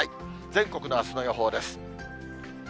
全国のあすの予報です。